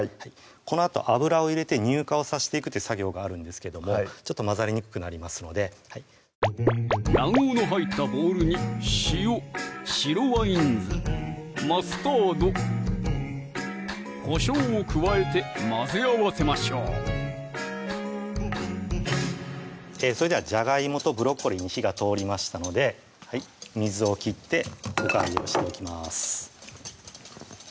このあと油を入れて乳化をさせていくっていう作業があるんですけどもちょっと混ざりにくくなりますので卵黄の入ったボウルに塩・白ワイン酢・マスタード・こしょうを加えて混ぜ合わせましょうそれではじゃがいもとブロッコリーに火が通りましたので水を切っておかあげをしていきます